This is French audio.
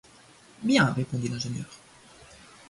Bien, répondit l’ingénieur.